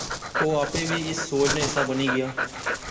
او آپے وی اس سوچ نا حصہ بنی گیا